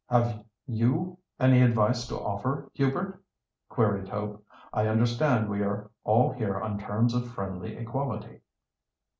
"Have you any advice to offer, Hubert?" queried Hope. "I understand we are all here on terms of friendly equality."